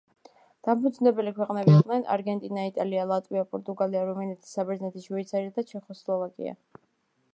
დამფუძნებელი ქვეყნები იყვნენ: არგენტინა, იტალია, ლატვია, პორტუგალია, რუმინეთი, საბერძნეთი, შვეიცარია და ჩეხოსლოვაკია.